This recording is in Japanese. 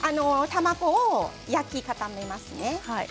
卵を焼きかためますね。